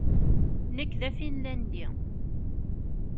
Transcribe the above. Nekk d Afinlandi